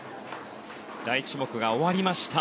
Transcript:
第１種目が終わりました。